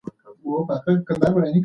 آنلاین کورسونه ډېر چانسونه برابروي.